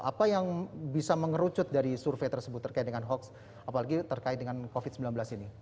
apa yang bisa mengerucut dari survei tersebut terkait dengan hoax apalagi terkait dengan covid sembilan belas ini